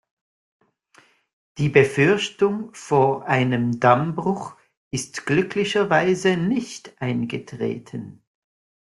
Die Befürchtung vor einem Dammbruch ist glücklicherweise nicht eingetreten.